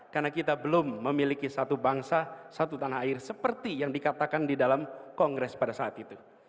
karena kita belum memiliki satu bangsa satu tanah air seperti yang dikatakan di dalam kongres pada saat itu